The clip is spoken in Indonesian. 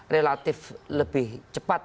relatif lebih cepat